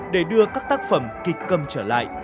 để đưa các tác phẩm kịch câm trở lại